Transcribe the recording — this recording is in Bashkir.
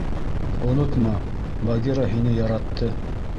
— Онотма, Багира һине яратты!